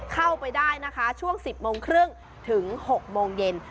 เข้าไปได้นะคะช่วง๑๐โมงครึ่งถึง๖โมงเย็น